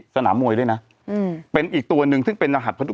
สนามมวยด้วยนะเป็นอีกตัวหนึ่งซึ่งเป็นรหัสพระดุ